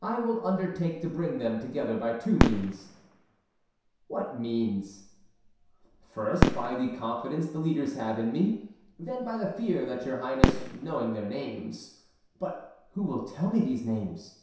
"I will undertake to bring them together by two means." "What means?" "First, by the confidence the leaders have in me; then by the fear that your highness, knowing their names"— "But who will tell me these names?"